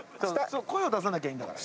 声を出さなきゃいいんだから。